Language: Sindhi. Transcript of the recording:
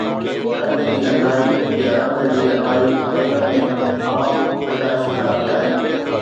رنگ جي انڌائي يا رنگ جي انڌائي مردن ۾ هڪ عام پيدائشي خرابي آهي